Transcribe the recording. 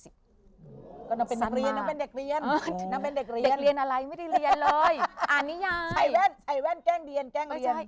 เด็กเรียนอะไรไม่ได้เรียนเลย